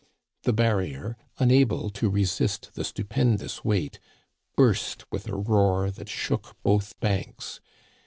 The barrier, unable to resist the stupen dous weight, burst with a roar that shook both banks.